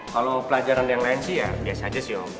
kalau pelajaran yang lain sih ya biasa aja sih om